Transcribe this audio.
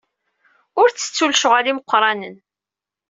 Ur ttettu lecɣal imeqranen.